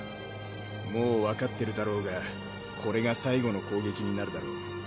もうわかってるだろうがこれが最後の攻撃になるだろう。